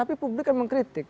tapi publik kan mengkritik